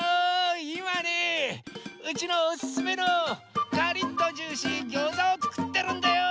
いまねえうちのおすすめのカリッとジューシーぎょうざをつくってるんだよ。